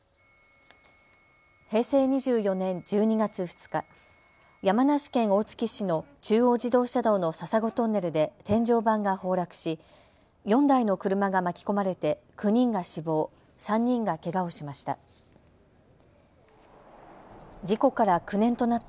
平成２４年１２月２日、山梨県大月市の中央自動車道の笹子トンネルで天井板が崩落し、４台の車が巻き込まれて９人が死亡、３人がけがをしました。